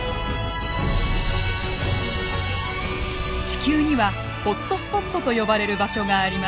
地球にはホットスポットと呼ばれる場所があります。